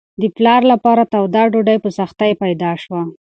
د پلار لپاره توده ډوډۍ په سختۍ پیدا شوه.